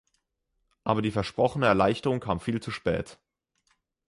Aber die versprochene Erleichterung kam viel zu spät.